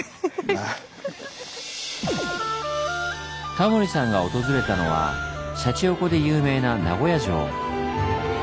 タモリさんが訪れたのはシャチホコで有名な名古屋城。